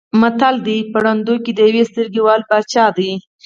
متل دی: په ړندو کې د یوې سترګې واله باچا دی.